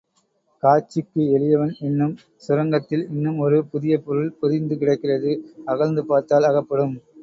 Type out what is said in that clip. காட்சிக்கு எளியன் என்னும் சுரங்கத்தில் இன்னும் ஒரு புதிய பொருள் பொதிந்து கிடக்கிறது அகழ்ந்து பார்த்தால் அகப்படும்.